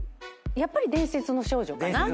やっぱり『伝説の少女』かな。